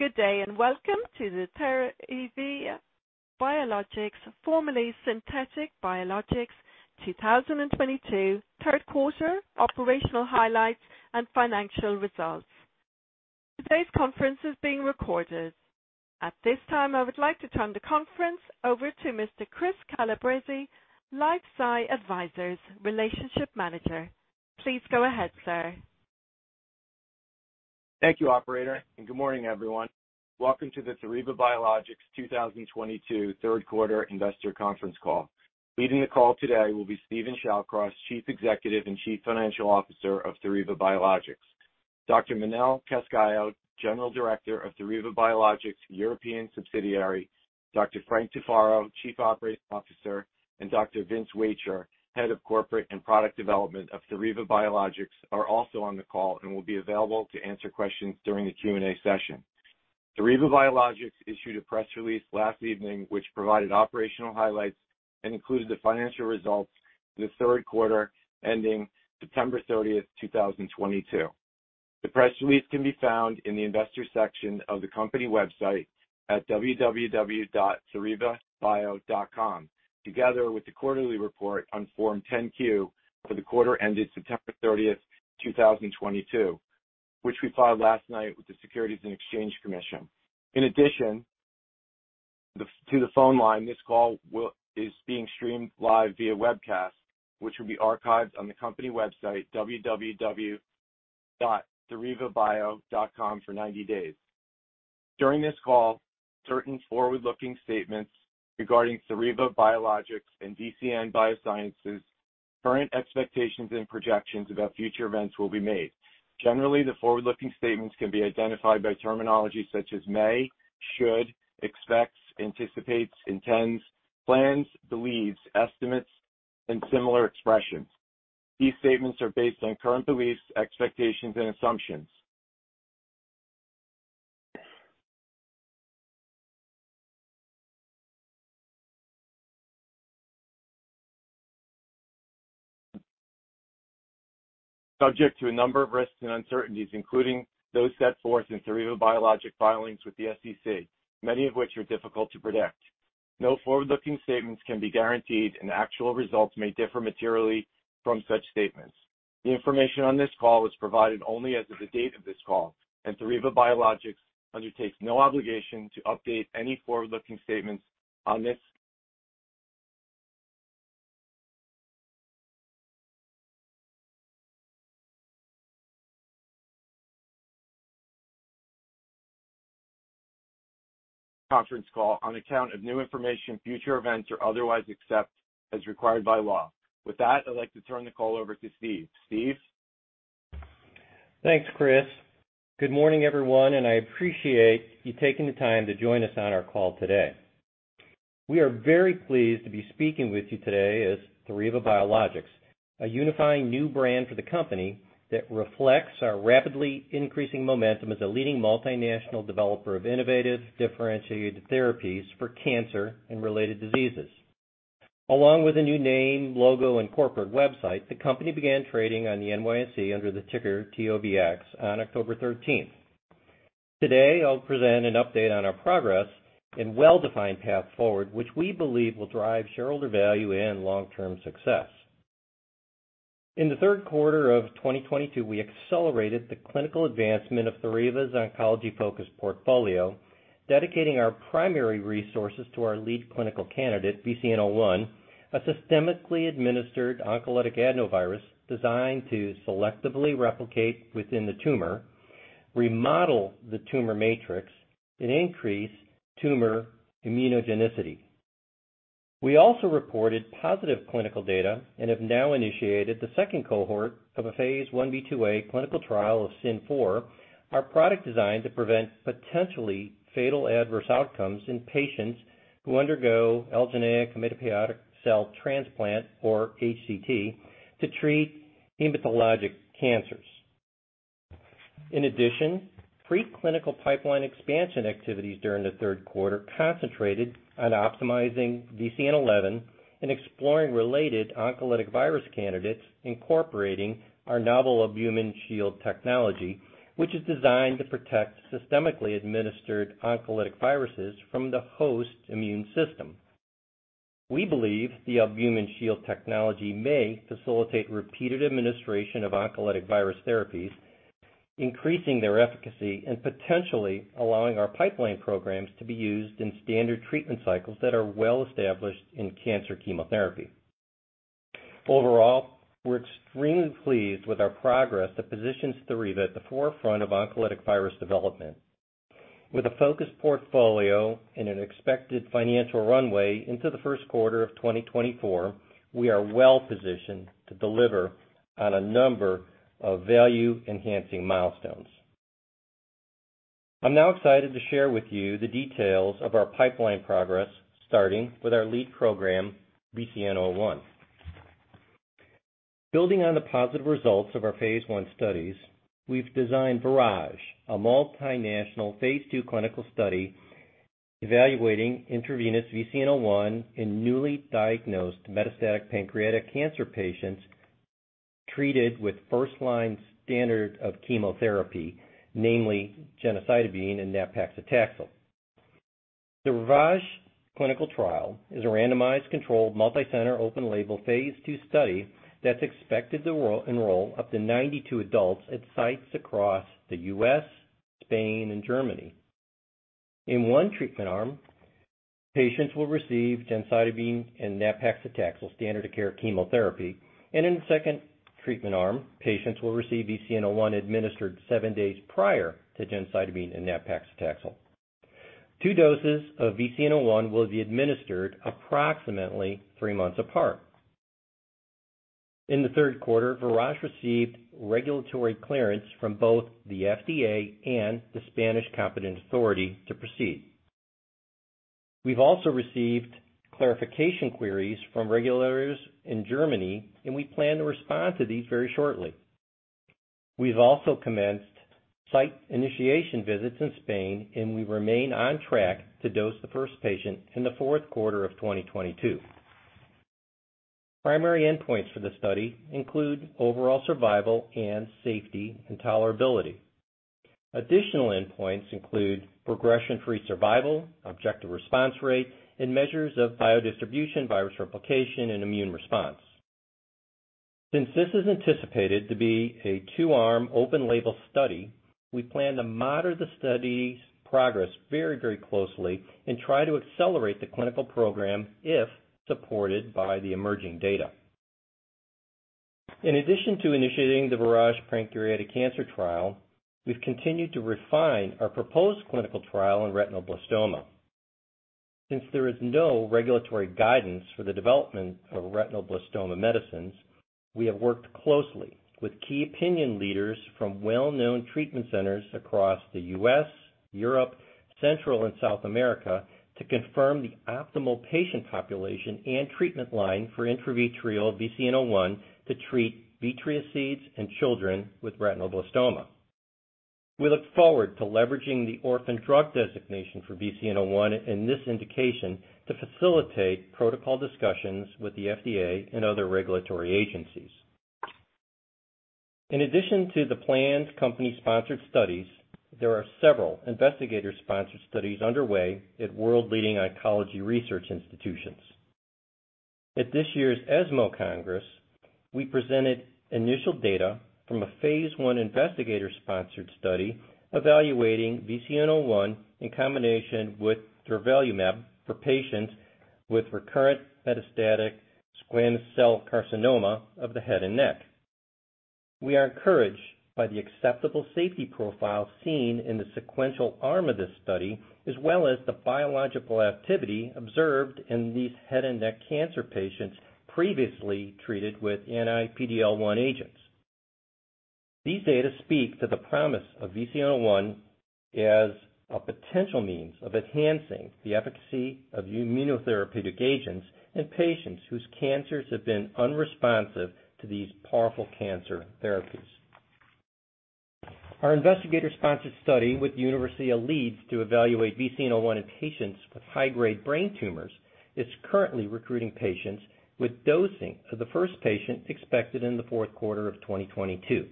Good day, and welcome to the Theriva Biologics, formerly Synthetic Biologics 2022 third quarter operational highlights and financial results. Today's conference is being recorded. At this time, I would like to turn the conference over to Mr. Chris Calabrese, LifeSci Advisors relationship manager. Please go ahead, sir. Thank you, operator, and good morning, everyone. Welcome to the Theriva Biologics 2022 third quarter investor conference call. Leading the call today will be Steven Shallcross, Chief Executive and Chief Financial Officer of Theriva Biologics. Dr. Manel Cascalló, General Director of Theriva Biologics European subsidiary, Dr. Frank Tufaro, Chief Operations Officer, and Dr. Vince Wacher, Head of Corporate and Product Development of Theriva Biologics, are also on the call and will be available to answer questions during the Q&A session. Theriva Biologics issued a press release last evening, which provided operational highlights and included the financial results for the third quarter ending September 30, 2022. The press release can be found in the investors section of the company website at www.therivabio.com, together with the quarterly report on Form 10-Q for the quarter ending September 30, 2022, which we filed last night with the Securities and Exchange Commission. In addition to the phone line, this call is being streamed live via webcast, which will be archived on the company website www.therivabio.com for 90 days. During this call, certain forward-looking statements regarding Theriva Biologics and VCN Biosciences current expectations and projections about future events will be made. Generally, the forward-looking statements can be identified by terminology such as may, should, expects, anticipates, intends, plans, believes, estimates, and similar expressions. These statements are based on current beliefs, expectations, and assumptions. Subject to a number of risks and uncertainties, including those set forth in Theriva Biologics filings with the SEC, many of which are difficult to predict. No forward-looking statements can be guaranteed, and actual results may differ materially from such statements. The information on this call is provided only as of the date of this call, and Theriva Biologics undertakes no obligation to update any forward-looking statements on this conference call on account of new information, future events or otherwise, except as required by law. With that, I'd like to turn the call over to Steve. Steve? Thanks, Chris. Good morning, everyone, and I appreciate you taking the time to join us on our call today. We are very pleased to be speaking with you today as Theriva Biologics, a unifying new brand for the company that reflects our rapidly increasing momentum as a leading multinational developer of innovative, differentiated therapies for cancer and related diseases. Along with a new name, logo, and corporate website, the company began trading on the NYSE under the ticker TOVX on October 13th. Today, I'll present an update on our progress and well-defined path forward, which we believe will drive shareholder value and long-term success. In the third quarter of 2022, we accelerated the clinical advancement of Theriva's oncology-focused portfolio, dedicating our primary resources to our lead clinical candidate, VCN-01, a systemically administered oncolytic adenovirus designed to selectively replicate within the tumor, remodel the tumor matrix and increase tumor immunogenicity. We also reported positive clinical data and have now initiated the second cohort of a phase 1b/2a clinical trial of SYN-004, our product designed to prevent potentially fatal adverse outcomes in patients who undergo allogeneic hematopoietic cell transplant, or HCT, to treat hematologic cancers. In addition, preclinical pipeline expansion activities during the third quarter concentrated on optimizing VCN-11 and exploring related oncolytic virus candidates incorporating our novel Albumin Shield technology, which is designed to protect systemically administered oncolytic viruses from the host immune system. We believe the Albumin Shield technology may facilitate repeated administration of oncolytic virus therapies, increasing their efficacy and potentially allowing our pipeline programs to be used in standard treatment cycles that are well established in cancer chemotherapy. Overall, we're extremely pleased with our progress that positions Theriva at the forefront of oncolytic virus development. With a focused portfolio and an expected financial runway into the first quarter of 2024, we are well positioned to deliver on a number of value-enhancing milestones. I'm now excited to share with you the details of our pipeline progress, starting with our lead program, VCN-01. Building on the positive results of our phase 1 studies, we've designed VIRAGE, a multinational phase 2 clinical study evaluating intravenous VCN-01 in newly diagnosed metastatic pancreatic cancer patients treated with first-line standard-of-care chemotherapy, namely gemcitabine and nab-paclitaxel. The VIRAGE clinical trial is a randomized, controlled, multicenter, open-label phase 2 study that's expected to enroll up to 92 adults at sites across the U.S., Spain, and Germany. In one treatment arm, patients will receive gemcitabine and nab-paclitaxel standard-of-care chemotherapy. In the second treatment arm, patients will receive VCN-01 administered seven days prior to gemcitabine and nab-paclitaxel. Two doses of VCN-01 will be administered approximately three months apart. In the third quarter, VIRAGE received regulatory clearance from both the FDA and the Spanish competent authority to proceed. We've also received clarification queries from regulators in Germany, and we plan to respond to these very shortly. We've also commenced site initiation visits in Spain, and we remain on track to dose the first patient in the fourth quarter of 2022. Primary endpoints for the study include overall survival and safety and tolerability. Additional endpoints include progression-free survival, objective response rate, and measures of biodistribution, virus replication, and immune response. Since this is anticipated to be a two-arm open-label study, we plan to monitor the study's progress very, very closely and try to accelerate the clinical program if supported by the emerging data. In addition to initiating the VIRAGE pancreatic cancer trial, we've continued to refine our proposed clinical trial in retinoblastoma. Since there is no regulatory guidance for the development of retinoblastoma medicines, we have worked closely with key opinion leaders from well-known treatment centers across the U.S., Europe, Central and South America to confirm the optimal patient population and treatment line for intravitreal VCN-01 to treat vitreous seeds in children with retinoblastoma. We look forward to leveraging the Orphan Drug Designation for VCN-01 in this indication to facilitate protocol discussions with the FDA and other regulatory agencies. In addition to the planned company-sponsored studies, there are several investigator-sponsored studies underway at world-leading oncology research institutions. At this year's ESMO Congress, we presented initial data from a phase 1 investigator-sponsored study evaluating VCN-01 in combination with durvalumab for patients with recurrent metastatic squamous cell carcinoma of the head and neck. We are encouraged by the acceptable safety profile seen in the sequential arm of this study, as well as the biological activity observed in these head and neck cancer patients previously treated with anti-PD-L1 agents. These data speak to the promise of VCN-01 as a potential means of enhancing the efficacy of immunotherapeutic agents in patients whose cancers have been unresponsive to these powerful cancer therapies. Our investigator-sponsored study with the University of Leeds to evaluate VCN-01 in patients with high-grade brain tumors is currently recruiting patients with dosing of the first patient expected in the fourth quarter of 2022.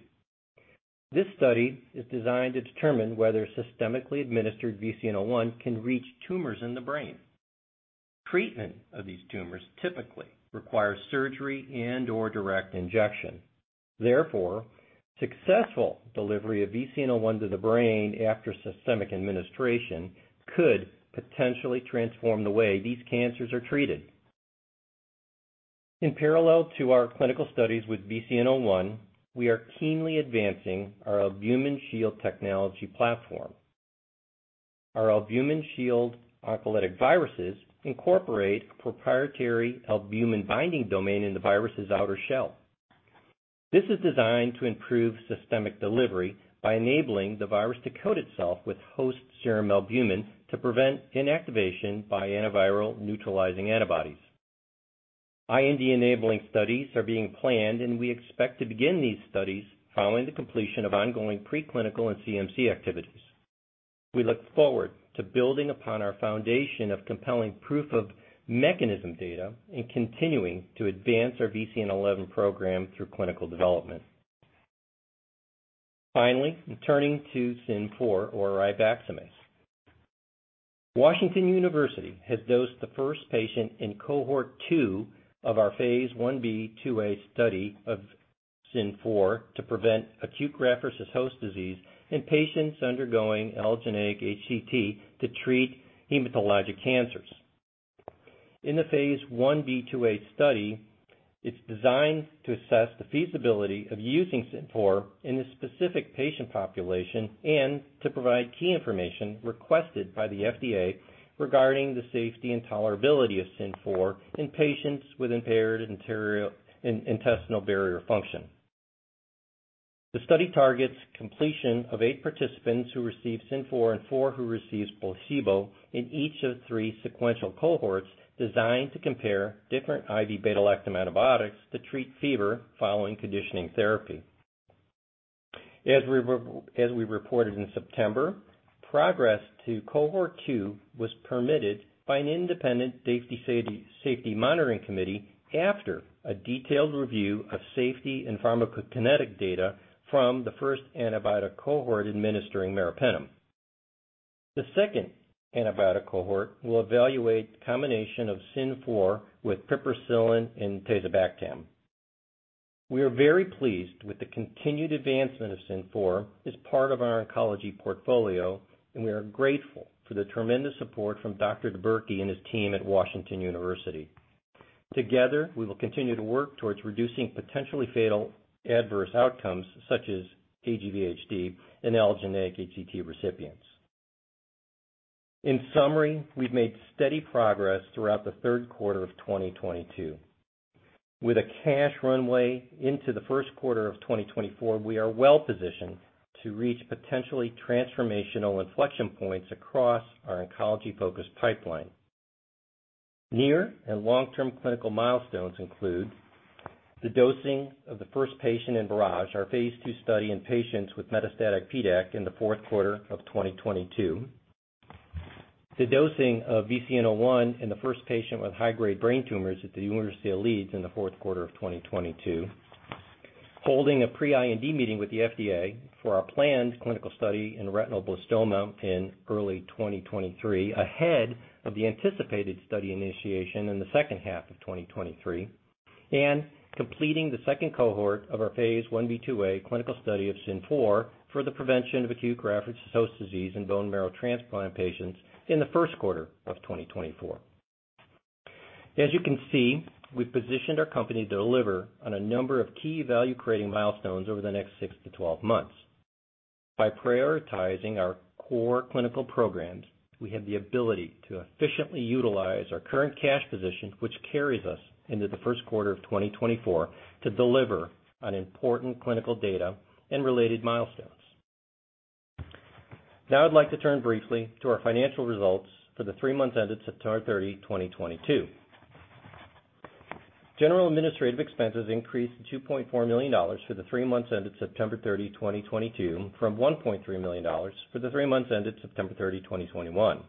This study is designed to determine whether systemically administered VCN-01 can reach tumors in the brain. Treatment of these tumors typically requires surgery and/or direct injection. Therefore, successful delivery of VCN-01 to the brain after systemic administration could potentially transform the way these cancers are treated. In parallel to our clinical studies with VCN-01, we are keenly advancing our Albumin Shield technology platform. Our Albumin Shield oncolytic viruses incorporate a proprietary albumin-binding domain in the virus's outer shell. This is designed to improve systemic delivery by enabling the virus to coat itself with host serum albumin to prevent inactivation by antiviral neutralizing antibodies. IND-enabling studies are being planned, and we expect to begin these studies following the completion of ongoing preclinical and CMC activities. We look forward to building upon our foundation of compelling proof of mechanism data and continuing to advance our VCN-011 program through clinical development. Finally, turning to SYN-004 or ribaxamase. Washington University has dosed the first patient in cohort two of our phase 1b/2a study of SYN-004 to prevent acute graft-versus-host disease in patients undergoing allogeneic HCT to treat hematologic cancers. In the phase 1b/2a study, it's designed to assess the feasibility of using SYN-004 in this specific patient population and to provide key information requested by the FDA regarding the safety and tolerability of SYN-004 in patients with impaired intestinal barrier function. The study targets completion of eight participants who receive SYN-004 and four who receives placebo in each of three sequential cohorts designed to compare different IV beta-lactam antibiotics to treat fever following conditioning therapy. As we reported in September, progress to cohort two was permitted by an independent safety monitoring committee after a detailed review of safety and pharmacokinetic data from the first antibiotic cohort administering meropenem. The second antibiotic cohort will evaluate the combination of SYN-004 with piperacillin and tazobactam. We are very pleased with the continued advancement of SYN-004 as part of our oncology portfolio, and we are grateful for the tremendous support from Dr. Dubberke and his team at Washington University. Together, we will continue to work towards reducing potentially fatal adverse outcomes such as AGVHD in allogeneic HCT recipients. In summary, we've made steady progress throughout the third quarter of 2022. With a cash runway into the first quarter of 2024, we are well positioned to reach potentially transformational inflection points across our oncology-focused pipeline. Near and long-term clinical milestones include the dosing of the first patient in VIRAGE, our phase 2 study in patients with metastatic PDAC in the fourth quarter of 2022, the dosing of VCN-01 in the first patient with high-grade brain tumors at the University of Leeds in the fourth quarter of 2022, holding a pre-IND meeting with the FDA for our planned clinical study in retinoblastoma in early 2023, ahead of the anticipated study initiation in the second half of 2023, and completing the second cohort of our phase 1b/2a clinical study of SYN-004 for the prevention of acute graft-versus-host disease in bone marrow transplant patients in the first quarter of 2024. As you can see, we've positioned our company to deliver on a number of key value-creating milestones over the next six to 12 months. By prioritizing our core clinical programs, we have the ability to efficiently utilize our current cash position, which carries us into the first quarter of 2024 to deliver on important clinical data and related milestones. Now I'd like to turn briefly to our financial results for the three months ended September 30, 2022. General administrative expenses increased to $2.4 million for the three months ended September 30, 2022, from $1.3 million for the three months ended September 30, 2021.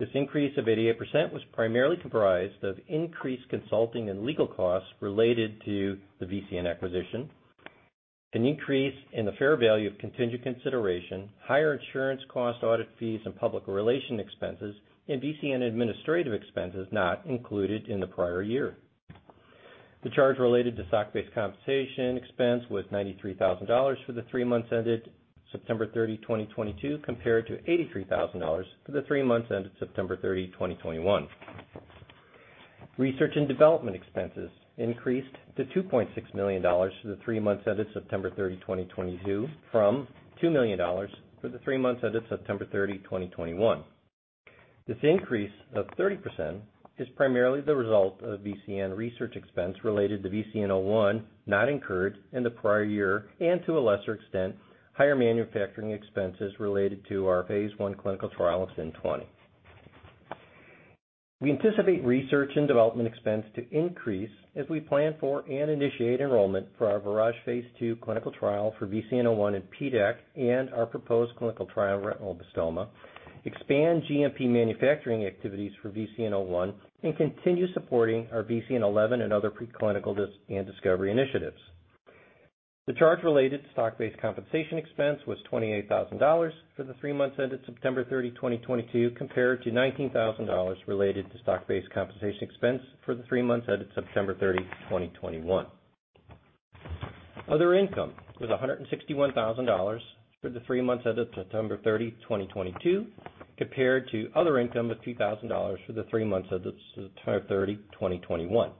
This increase of 88% was primarily comprised of increased consulting and legal costs related to the VCN acquisition, an increase in the fair value of contingent consideration, higher insurance costs, audit fees, and public relations expenses, and VCN administrative expenses not included in the prior year. The charge related to stock-based compensation expense was $93 thousand for the three months ended September 30, 2022, compared to $83 thousand for the three months ended September 30, 2021. Research and development expenses increased to $2.6 million for the three months ended September 30, 2022, from $2 million for the three months ended September 30, 2021. This increase of 30% is primarily the result of VCN research expense related to VCN-01 not incurred in the prior year, and to a lesser extent, higher manufacturing expenses related to our phase 1 clinical trial of SYN-020. We anticipate research and development expense to increase as we plan for and initiate enrollment for our VIRAGE phase 2 clinical trial for VCN-01 in PDAC and our proposed clinical trial in retinoblastoma, expand GMP manufacturing activities for VCN-01, and continue supporting our VCN-11 and other preclinical and discovery initiatives. The charge related to stock-based compensation expense was $28,000 for the three months ended September 30, 2022, compared to $19,000 related to stock-based compensation expense for the three months ended September 30, 2021. Other income was $161 thousand for the three months ended September 30, 2022, compared to other income of $2 thousand for the three months ended September 30, 2021.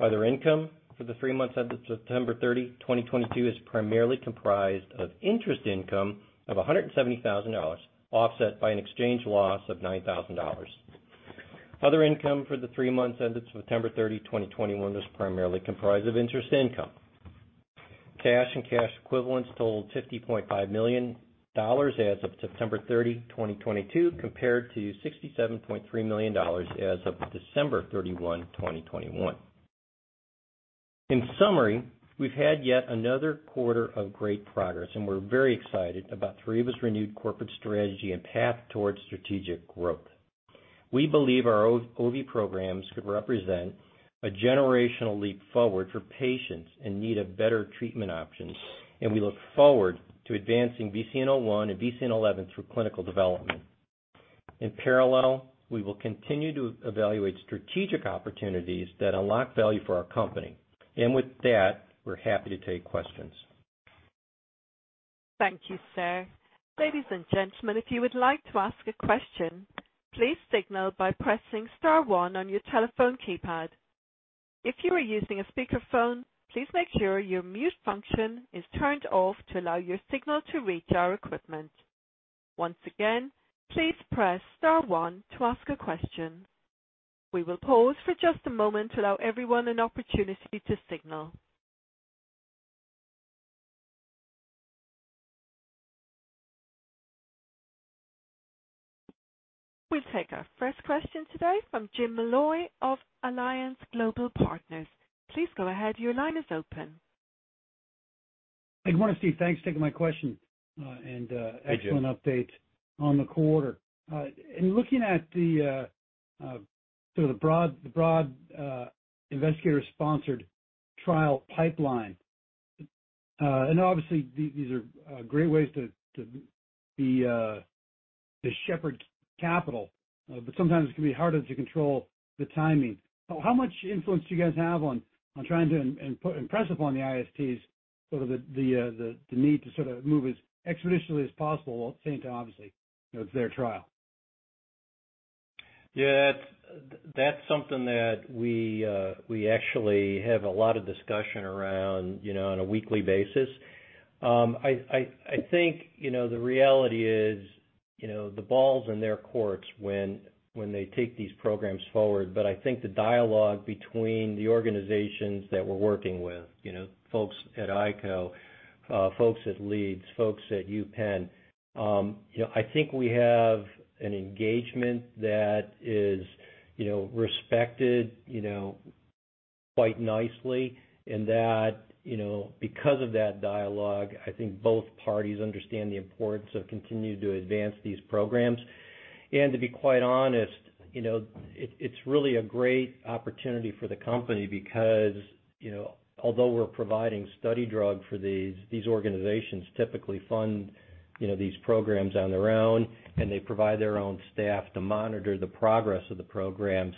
Other income for the three months ended September 30, 2022 is primarily comprised of interest income of $170 thousand, offset by an exchange loss of $9 thousand. Other income for the three months ended September 30, 2021 was primarily comprised of interest income. Cash and cash equivalents totaled $50.5 million as of September 30, 2022, compared to $67.3 million as of December 31, 2021. In summary, we've had yet another quarter of great progress, and we're very excited about Theriva's renewed corporate strategy and path towards strategic growth. We believe our OV programs could represent a generational leap forward for patients in need of better treatment options, and we look forward to advancing VCN-01 and VCN-11 through clinical development. In parallel, we will continue to evaluate strategic opportunities that unlock value for our company. With that, we're happy to take questions. Thank you, sir. Ladies and gentlemen, if you would like to ask a question, please signal by pressing star one on your telephone keypad. If you are using a speakerphone, please make sure your mute function is turned off to allow your signal to reach our equipment. Once again, please press star one to ask a question. We will pause for just a moment to allow everyone an opportunity to signal. We'll take our first question today from Jim Molloy of Alliance Global Partners. Please go ahead. Your line is open. Good morning, Steven. Thanks for taking my question. Hey, Jim. Excellent update on the quarter. In looking at the sort of the broad investigator-sponsored trial pipeline, and obviously these are great ways to shepherd capital, but sometimes it can be harder to control the timing. How much influence do you guys have on trying to impress upon the ISTs sort of the need to sort of move as expeditiously as possible while at the same time, obviously, you know, it's their trial? Yeah, that's something that we actually have a lot of discussion around, you know, on a weekly basis. I think, you know, the reality is, you know, the ball's in their courts when they take these programs forward. I think the dialogue between the organizations that we're working with, you know, folks at ICO, folks at Leeds, folks at UPenn, you know, I think we have an engagement that is, you know, respected, you know, quite nicely and that, you know, because of that dialogue, I think both parties understand the importance of continuing to advance these programs. To be quite honest, you know, it's really a great opportunity for the company because, you know, although we're providing study drug for these organizations typically fund, you know, these programs on their own, and they provide their own staff to monitor the progress of the programs.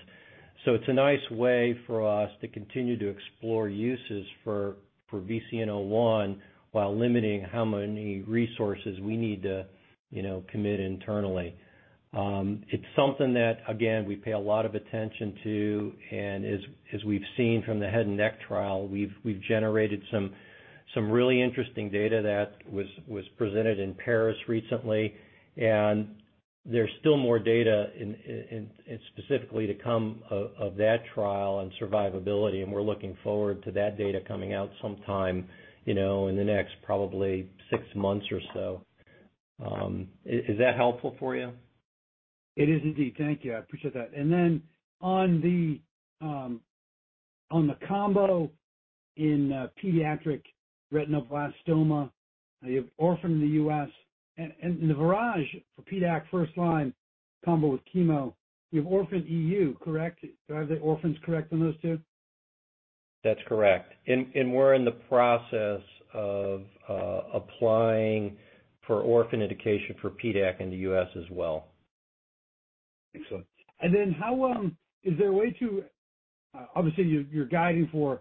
It's a nice way for us to continue to explore uses for VCN-01 while limiting how many resources we need to, you know, commit internally. It's something that, again, we pay a lot of attention to, and as we've seen from the head and neck trial, we've generated some really interesting data that was presented in Paris recently. There's still more data incoming specifically to come out of that trial and survivability, and we're looking forward to that data coming out sometime, you know, in the next probably six months or so. Is that helpful for you? It is indeed. Thank you. I appreciate that. On the combo in pediatric retinoblastoma, you have orphan in the U.S. and in the VIRAGE for PDAC first line combo with chemo, you have orphan E.U., correct? Do I have the orphans correct on those two? That's correct. We're in the process of applying for orphan indication for PDAC in the U.S. as well. Excellent. Is there a way to, obviously you're guiding for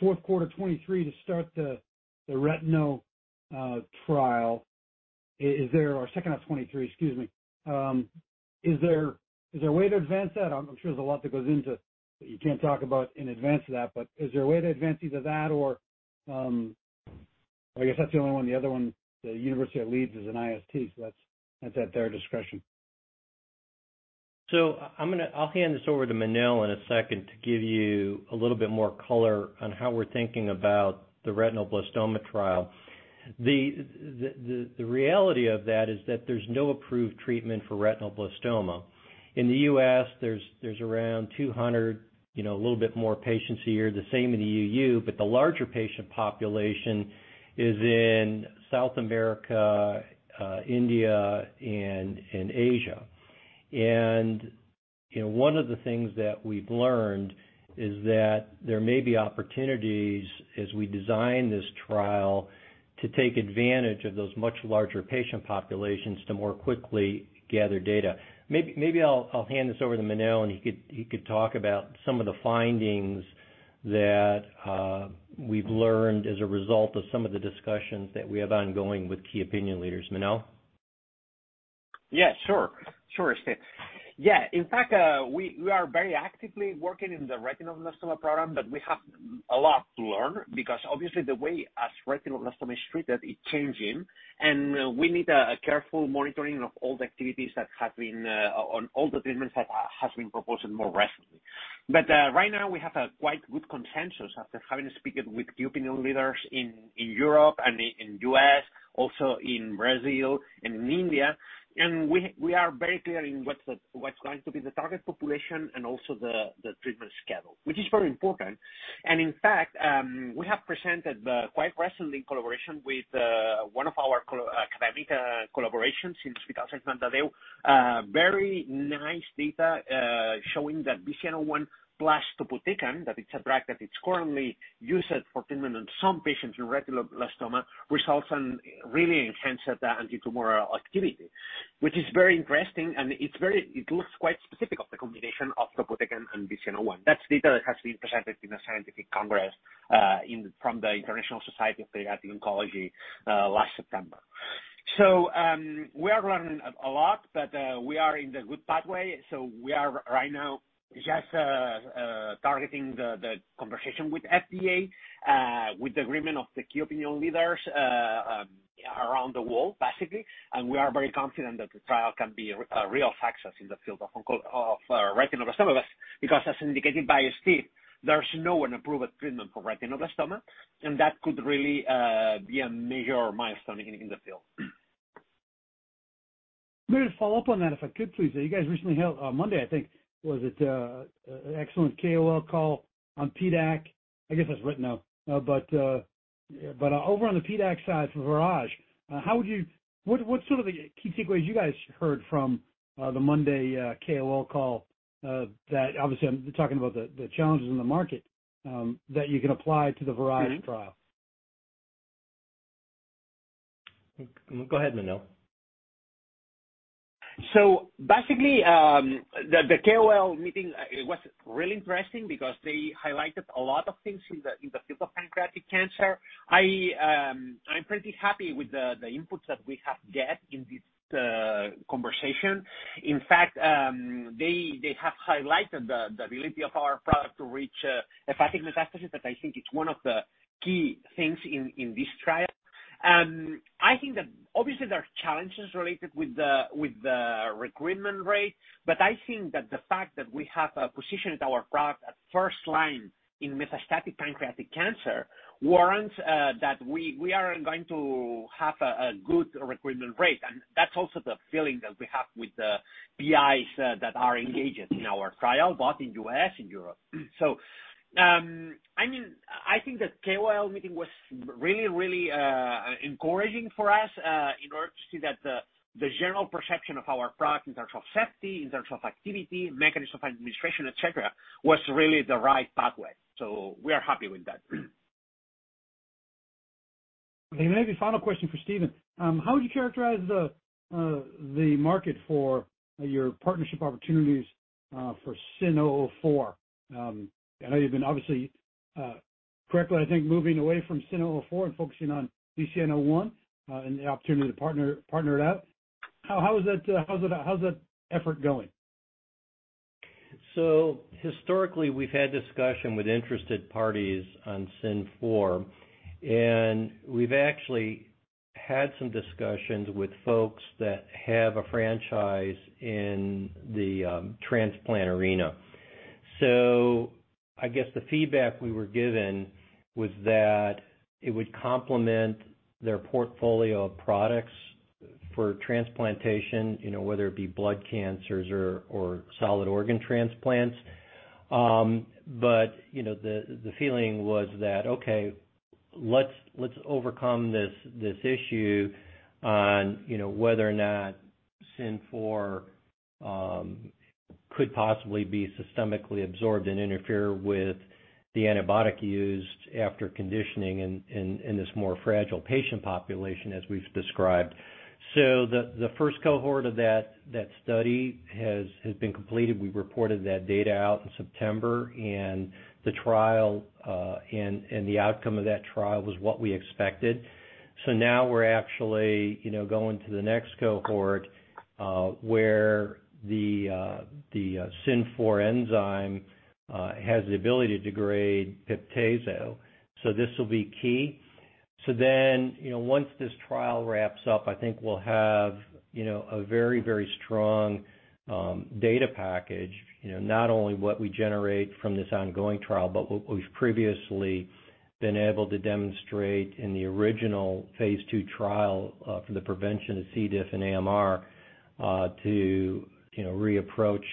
fourth quarter 2023 to start the retinoblastoma trial. Or second quarter of 2023, excuse me. Is there a way to advance that? I'm sure there's a lot that goes into that you can't talk about in advance of that. Is there a way to advance either that or I guess that's the only one. The other one, the University of Leeds is an IST, so that's at their discretion. I'll hand this over to Manel in a second to give you a little bit more color on how we're thinking about the retinoblastoma trial. The reality of that is that there's no approved treatment for retinoblastoma. In the U.S., there's around 200, you know, a little bit more patients a year, the same in the E.U., but the larger patient population is in South America, India and Asia. You know, one of the things that we've learned is that there may be opportunities as we design this trial to take advantage of those much larger patient populations to more quickly gather data. Maybe I'll hand this over to Manel, and he could talk about some of the findings that we've learned as a result of some of the discussions that we have ongoing with key opinion leaders. Manel? Yeah, sure, Steve. Yeah. In fact, we are very actively working in the retinoblastoma program, but we have a lot to learn because obviously the way as retinoblastoma is treated is changing, and we need a careful monitoring of all the activities that have been on all the treatments that has been proposed more recently. But right now we have a quite good consensus after having spoken with key opinion leaders in Europe and in U.S., also in Brazil and in India. We are very clear in what's going to be the target population and also the treatment schedule, which is very important. In fact, we have presented quite recently in collaboration with one of our academic collaborations in Hospital de la Santa Creu i Sant Pau, a very nice data showing that VCN-01 plus topotecan, that it's a drug that it's currently used for treatment on some patients with retinoblastoma, results in really enhanced anti-tumor activity, which is very interesting, and it looks quite specific of the combination of topotecan and VCN-01. That's data that has been presented in a scientific congress from the International Society of Paediatric Oncology last September. We are learning a lot, but we are in the good pathway, so we are right now just targeting the conversation with FDA with the agreement of the key opinion leaders around the world, basically. We are very confident that the trial can be a real success in the field of retinoblastoma, because as indicated by Steven, there's no approved treatment for retinoblastoma, and that could really be a major milestone in the field. Let me just follow up on that, if I could please. You guys recently held Monday, I think, was it, excellent KOL call on PDAC. I guess that's written now. Over on the PDAC side for VIRAGE, what's sort of the key takeaways you guys heard from the Monday KOL call that obviously I'm talking about the challenges in the market that you can apply to the VIRAGE trial? Mm-hmm. Go ahead, Manel. Basically, the KOL meeting it was really interesting because they highlighted a lot of things in the field of pancreatic cancer. I'm pretty happy with the inputs that we have gotten in this conversation. In fact, they have highlighted the ability of our product to reach hepatic metastasis, that I think it's one of the key things in this trial. I think that obviously there are challenges related with the recruitment rate, but I think that the fact that we have positioned our product at first line in metastatic pancreatic cancer warrants that we are going to have a good recruitment rate. That's also the feeling that we have with the PIs that are engaged in our trial, both in U.S., in Europe. I mean, I think the KOL meeting was really encouraging for us in order to see that the general perception of our product in terms of safety, in terms of activity, mechanisms of administration, et cetera, was really the right pathway. We are happy with that. Maybe final question for Steven. How would you characterize the market for your partnership opportunities for SYN-004? I know you've been obviously correctly, I think, moving away from SYN-004 and focusing on VCN-01 and the opportunity to partner it out. How's that effort going? Historically, we've had discussion with interested parties on SYN-004, and we've actually had some discussions with folks that have a franchise in the transplant arena. I guess the feedback we were given was that it would complement their portfolio of products for transplantation, you know, whether it be blood cancers or solid organ transplants. But, you know, the feeling was that, okay, let's overcome this issue on, you know, whether or not SYN-004 could possibly be systemically absorbed and interfere with the antibiotic used after conditioning in this more fragile patient population as we've described. The first cohort of that study has been completed. We reported that data out in September, and the trial and the outcome of that trial was what we expected. Now we're actually, you know, going to the next cohort, where the SYN-004 enzyme has the ability to degrade piperacillin-tazobactam. This will be key. Once this trial wraps up, I think we'll have, you know, a very, very strong data package. You know, not only what we generate from this ongoing trial, but what we've previously been able to demonstrate in the original phase 2 trial for the prevention of C. diff and AMR to, you know, reapproach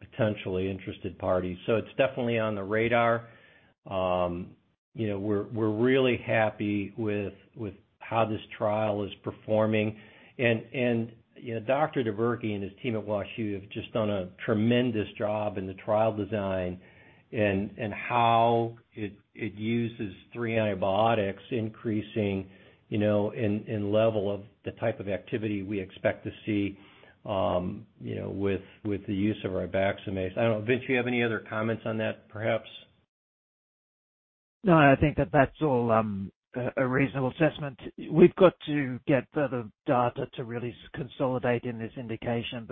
potentially interested parties. It's definitely on the radar. You know, we're really happy with how this trial is performing. You know, Dr. Erik Dubberke and his team at WashU have just done a tremendous job in the trial design and how it uses three antibiotics increasing, you know, in level of the type of activity we expect to see, you know, with the use of ribaxamase. I don't know, Vince, you have any other comments on that, perhaps? No, I think that's all a reasonable assessment. We've got to get further data to really consolidate in this indication.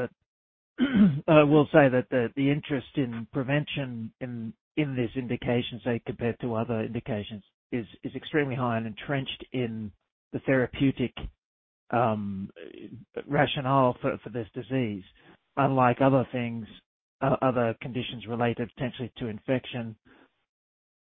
We'll say that the interest in prevention in this indication, say, compared to other indications, is extremely high and entrenched in the therapeutic rationale for this disease. Unlike other things, other conditions related potentially to infection.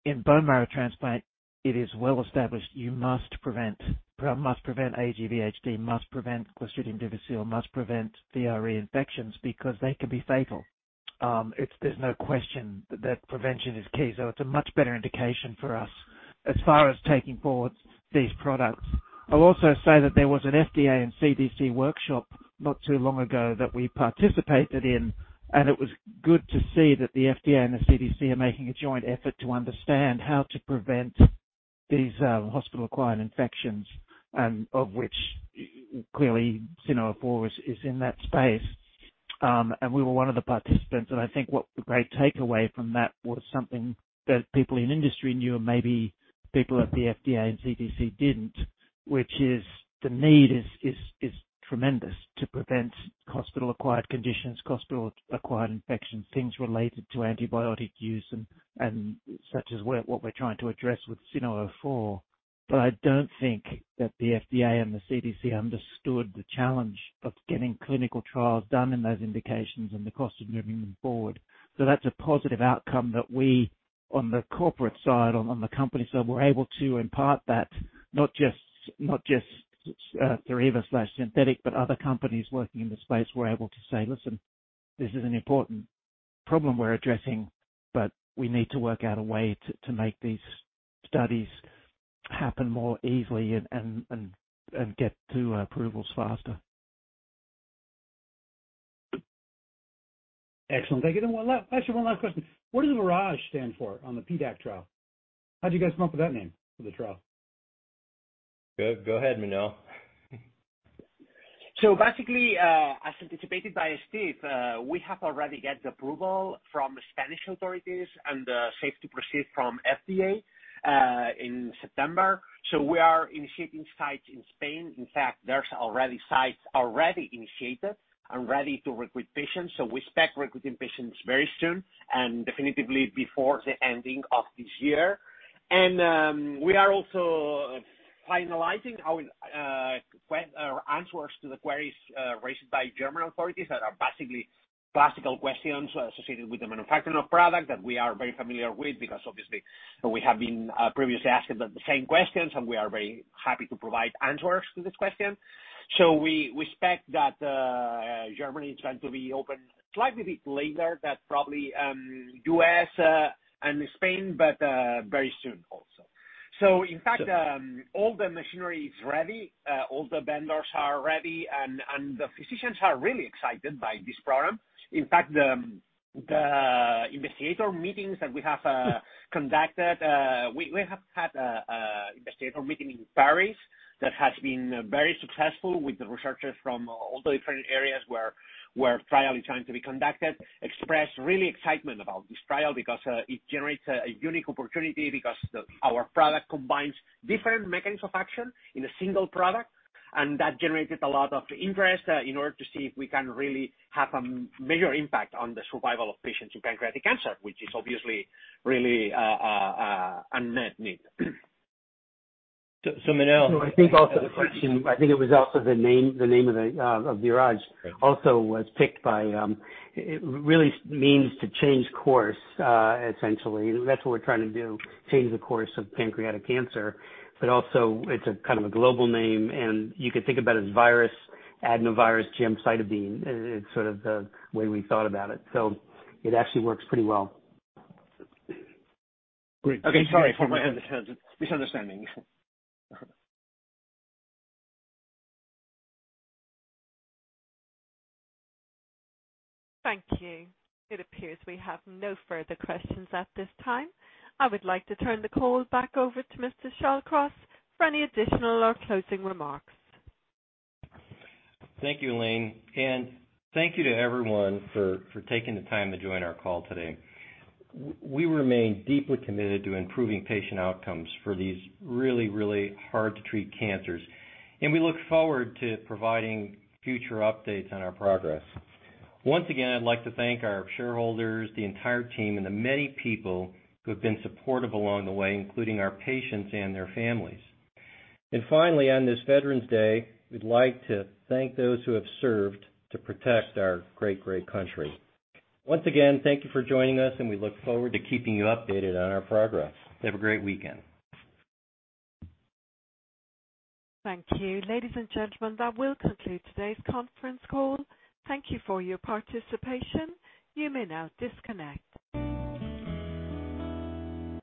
In bone marrow transplant, it is well established, you must prevent AGVHD, must prevent Clostridium difficile, must prevent VRE infections because they can be fatal. There's no question that prevention is key. It's a much better indication for us as far as taking forward these products. I'll also say that there was an FDA and CDC workshop not too long ago that we participated in, and it was good to see that the FDA and the CDC are making a joint effort to understand how to prevent these, hospital-acquired infections, of which clearly SYN-004 is in that space. We were one of the participants, and I think what the great takeaway from that was something that people in industry knew, and maybe people at the FDA and CDC didn't, which is the need is tremendous to prevent hospital-acquired conditions, hospital-acquired infections, things related to antibiotic use and such as what we're trying to address with SYN-004. I don't think that the FDA and the CDC understood the challenge of getting clinical trials done in those indications and the cost of moving them forward. That's a positive outcome that we on the corporate side, on the company side, were able to impart that. Not just Theriva/Synthetic, but other companies working in the space were able to say, "Listen, this is an important problem we're addressing, but we need to work out a way to make these studies happen more easily and get to approvals faster. Excellent. Thank you. Actually one last question. What does VIRAGE stand for on the PDAC trial? How'd you guys come up with that name for the trial? Go ahead, Manel. Basically, as anticipated by Steven, we have already got the approval from Spanish authorities and the safe to proceed from FDA in September. We are initiating sites in Spain. In fact, there's already sites already initiated and ready to recruit patients. We expect recruiting patients very soon and definitively before the ending of this year. We are also finalizing our answers to the queries raised by German authorities that are basically classical questions associated with the manufacturing of product that we are very familiar with because obviously we have been previously asked the same questions, and we are very happy to provide answers to this question. We expect that Germany is going to be open slightly bit later than probably U.S. and Spain, but very soon also. In fact, all the machinery is ready, all the vendors are ready, and the physicians are really excited by this program. In fact, the investigator meetings that we have conducted, we have had investigator meeting in Paris that has been very successful with the researchers from all the different areas where trial is going to be conducted, expressed really excitement about this trial because it generates a unique opportunity because our product combines different mechanisms of action in a single product, and that generated a lot of interest in order to see if we can really have a major impact on the survival of patients with pancreatic cancer, which is obviously really a unmet need. Manel. No, I think also the question. I think it was also the name of VIRAGE also was picked by. It really means to change course, essentially. That's what we're trying to do, change the course of pancreatic cancer. But also it's a kind of a global name, and you could think about it as virus, adenovirus gemcitabine. It's sort of the way we thought about it. It actually works pretty well. Great. Okay. Sorry for my misunderstanding. Thank you. It appears we have no further questions at this time. I would like to turn the call back over to Mr. Shallcross for any additional or closing remarks. Thank you, Elaine. Thank you to everyone for taking the time to join our call today. We remain deeply committed to improving patient outcomes for these really, really hard to treat cancers. We look forward to providing future updates on our progress. Once again, I'd like to thank our shareholders, the entire team, and the many people who have been supportive along the way, including our patients and their families. Finally, on this Veterans Day, we'd like to thank those who have served to protect our great country. Once again, thank you for joining us, and we look forward to keeping you updated on our progress. Have a great weekend. Thank you. Ladies and gentlemen, that will conclude today's conference call. Thank you for your participation. You may now disconnect.